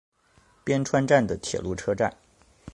边川站的铁路车站。